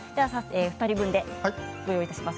２人分で、ご用意いたします。